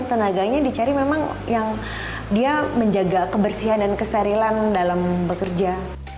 tenaganya dicari memang yang dia menjaga kebersihan dan kesterilan dalam bekerja